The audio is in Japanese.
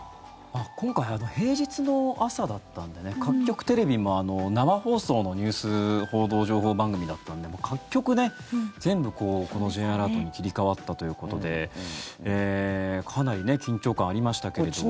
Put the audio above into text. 今回、平日の朝だったので各局テレビも生放送のニュース報道・情報番組だったので各局、全部このＪアラートに切り替わったということでかなり緊張感ありましたけれども。